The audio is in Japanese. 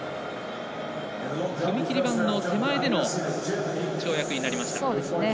踏切板の手前での跳躍になりました。